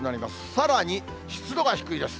さらに湿度が低いです。